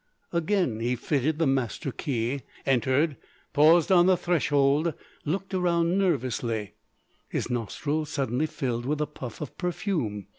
Again he fitted the master key, entered, paused on the threshold, looked around nervously, his nostrils suddenly filled with a puff of perfume.